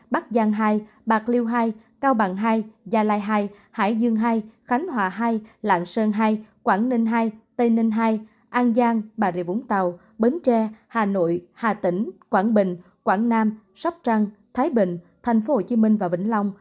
bắc giang hai bạc liêu hai cao bằng hai gia lai hai hải dương hai khánh hòa hai lạng sơn hai quảng ninh hai tây ninh hai an giang bà rịa vũng tàu bến tre hà nội hà tĩnh quảng bình quảng nam sóc trăng thái bình tp hcm và vĩnh long